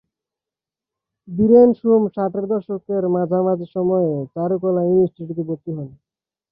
বীরেন সোম ষাটের দশকের মাঝামাঝি সময়ে চারুকলা ইনস্টিটিউটে ভর্তি হন।